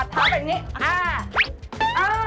เปลี่ยนท่า